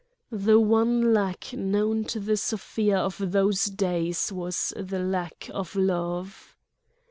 The one lack known to the Sofia of those days was the lack of Love.